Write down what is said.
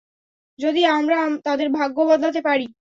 যদি আমরা তাদের ভাগ্য বদলাতে পারি?